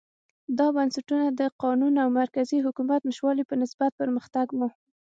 دا بنسټونه د قانون او مرکزي حکومت نشتوالي په نسبت پرمختګ و.